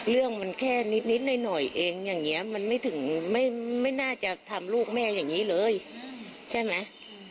เรื่องมันแค่นิดหน่อยเองอย่างนี้มันไม่ถึงไม่น่าจะทำลูกแม่อย่างนี้เลยใช่ไหม